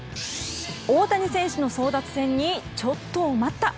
大谷選手の争奪戦にちょっと待った！